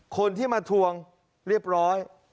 คนที่มาทวงเรียบร้อย